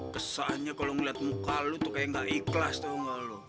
kesannya kalau ngeliat muka lo tuh kayak gak ikhlas tau gak lo